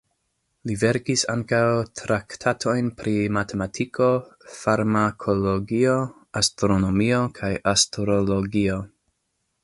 Li verkis ankaŭ traktatojn pri matematiko, farmakologio, astronomio kaj astrologio.